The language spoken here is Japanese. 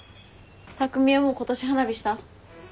匠はもう今年花火した？